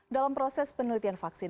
dalam proses penelitian vaksin